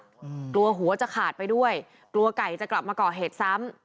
กลัวหัวจะขาดไปด้วยกลัวไก่จะกลับมาก่อเหตุซ้ำ